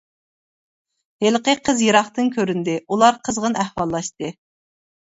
ھېلىقى قىز يىراقتىن كۆرۈندى، ئۇلار قىزغىن ئەھۋاللاشتى.